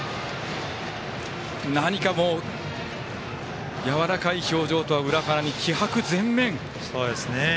何かやわらかい表情とは裏腹に気迫前面。